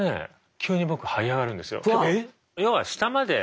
急に僕はい上がるんですよ。